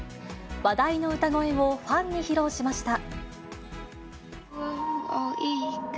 話題の歌声をファンに披露しました。